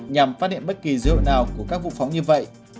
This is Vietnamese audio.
nhằm phát hiện bất kỳ dự hội nào của các vụ phóng như vậy